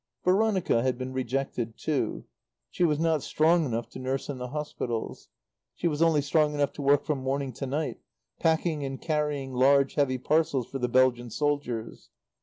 Veronica had been rejected too. She was not strong enough to nurse in the hospitals. She was only strong enough to work from morning to night, packing and carrying large, heavy parcels for the Belgian soldiers.